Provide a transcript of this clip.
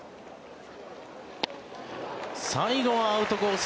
最後はアウトコース